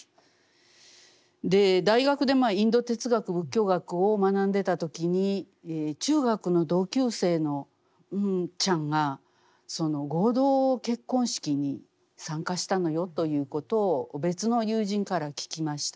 大学でインド哲学仏教学を学んでいた時に中学の同級生のンンちゃんが合同結婚式に参加したのよということを別の友人から聞きました。